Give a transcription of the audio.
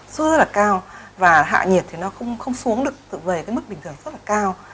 sốt rất là cao và hạ nhiệt thì nó không xuống được tự vời cái mức bình thường rất là cao